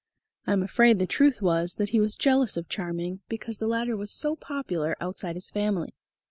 I am afraid the truth was that he was jealous of Charming, because the latter was so popular outside his family.